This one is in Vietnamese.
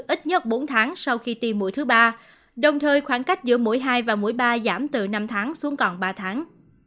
ít nhất bốn tháng sau khi tiêm mũi thứ ba đồng thời khoảng cách giữa mỗi hai và mũi ba giảm từ năm tháng xuống còn ba tháng